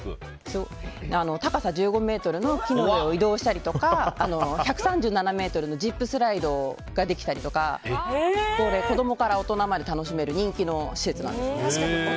高さ１５ｍの木の上を移動したりとか１３７ｍのジップスライドができたりとか子供から大人まで楽しめる人気の施設なんです。